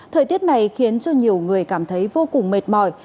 thời tiết này khiến cho nhiều người cảm thấy vô cùng mệt mỏi